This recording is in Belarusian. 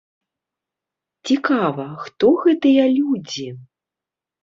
Цікава, хто гэтыя людзі?